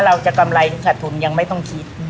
เราจะกำไรสัตว์ถุงยังไม่ต้องคิด